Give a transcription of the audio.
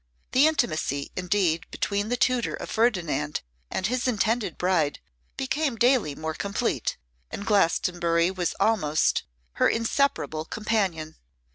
The intimacy, indeed, between the tutor of Ferdinand and his intended bride became daily more complete, and Glastonbury was almost her inseparable companion.